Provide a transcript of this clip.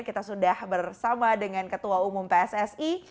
kita sudah bersama dengan ketua umum pssi